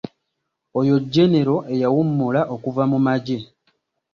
Oyo genero eyawummula okuva mu magye.